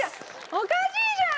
おかしいじゃん。